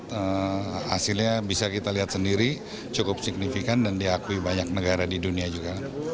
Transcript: dan hasilnya bisa kita lihat sendiri cukup signifikan dan diakui banyak negara di dunia juga